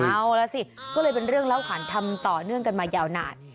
เอาล่ะสิก็เลยเป็นเรื่องเล่าขันทำต่อเนื่องกันมายาวนาน